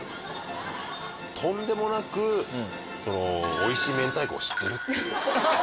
とんでもなく美味しい明太子を知ってるっていう。